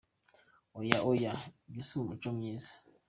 Oya, oya ibyo si imuco myiza."}